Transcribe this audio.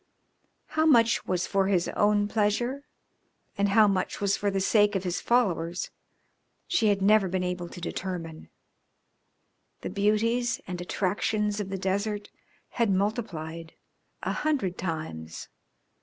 How much was for his own pleasure and how much was for the sake of his followers she had never been able to determine. The beauties and attractions of the desert had multiplied a hundred times.